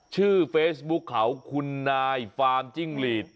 ชื่อเฟซบุ๊คเขาคุณนายฟาร์มจิ้งหลีด